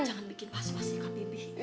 jangan bikin pas pas ya kak bibi